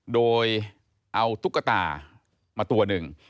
โดยเอาตุ๊กตามาตัวหนึ่ง